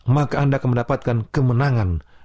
maka anda akan mendapatkan kemenangan